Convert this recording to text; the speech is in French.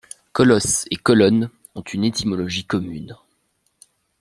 Colosse et colonne ont une étymologie commune.